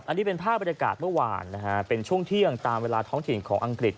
อันนี้เป็นภาพบรรยากาศเมื่อวานนะฮะเป็นช่วงเที่ยงตามเวลาท้องถิ่นของอังกฤษ